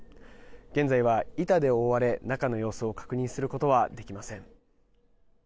現在は板で覆われ中の様子を確認することはできません。